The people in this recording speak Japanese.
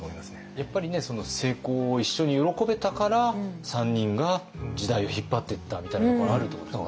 やっぱりその成功を一緒に喜べたから３人が時代を引っ張ってったみたいなところがあるってことですよね。